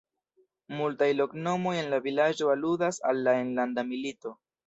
Multaj loknomoj en la vilaĝo aludas al la enlanda milito.